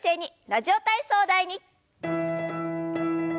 「ラジオ体操第２」。